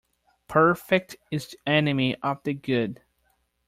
Perfect is the enemy of the good.